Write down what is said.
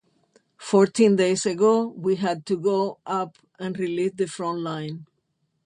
Fourteen days ago we had to go up and relieve the front line.